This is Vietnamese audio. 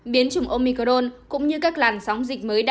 biến chủng omicron cũng như các làn sóng dịch mới đa